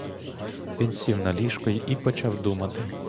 Він сів на ліжко і почав думати.